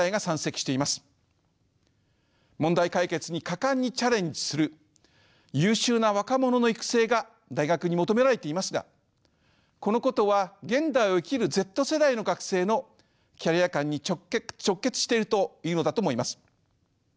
問題解決に果敢にチャレンジする優秀な若者の育成が大学に求められていますがこのことは現代を生きるＺ世代の学生のキャリア感に直結しているというのだと思います。